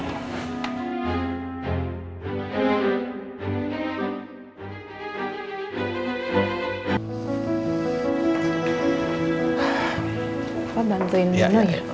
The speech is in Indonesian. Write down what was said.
bapak bantuin minah ya